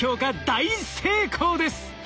大成功です。